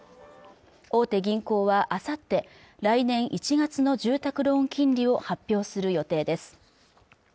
大手銀行はあさって来年１月の住宅ローン金利を発表する予定です